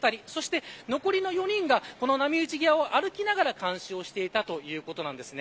残りの４人が、この波打ち際を歩きながら監視していたということです。